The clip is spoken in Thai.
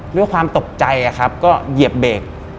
ด้วยความตกใจครับก็เหยียบเบรก